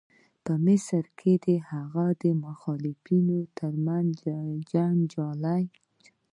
په مصر کې د هغه او مخالفانو تر منځ جنجال و.